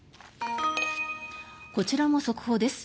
こちらも速報です。